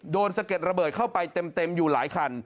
สะเก็ดระเบิดเข้าไปเต็มอยู่หลายคัน